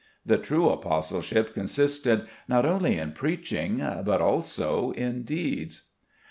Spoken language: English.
The true apostleship consisted, not only in preaching, but also in deeds....